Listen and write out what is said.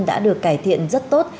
đã được cải thiện rất tốt